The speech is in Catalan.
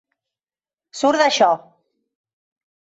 Surt d'això!